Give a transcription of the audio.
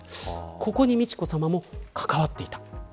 ここに美智子さまも関わっていた。